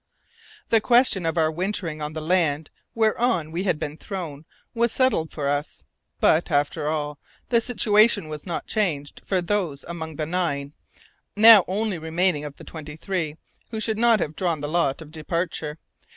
The question of our wintering on the land whereon we had been thrown was settled for us. But, after all, the situation was not changed for those among the nine (now only remaining of the twenty three) who should not have drawn the lot of departure.